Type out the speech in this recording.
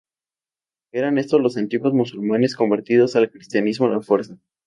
Eran estos los antiguos musulmanes convertidos al cristianismo a la fuerza.